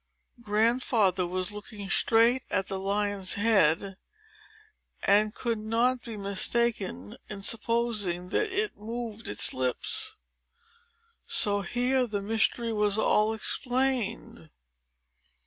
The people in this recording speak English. Grandfather was looking straight at the lion's head, and could not be mistaken in supposing that it moved its lips. So here the mystery was all explained.